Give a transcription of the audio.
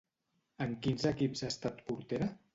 En quins equips ha estat portera?